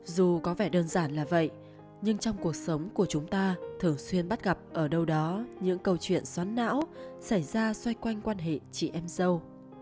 dù có vẻ đơn giản là vậy nhưng trong cuộc sống của chúng ta thường xuyên bắt gặp ở đâu đó những câu chuyện xoắn não xảy ra xoay quanh quan hệ chị em dâu